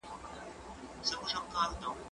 زه به سبا قلم استعمالوموم وم،